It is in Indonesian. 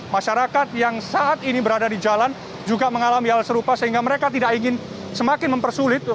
masyarakat yang saat ini berada di jalan juga mengalami hal serupa sehingga mereka tidak ingin semakin mempersulit